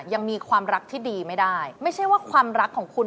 ยังมีความรักที่ดีไม่ได้ไม่ใช่ว่าความรักของคุณ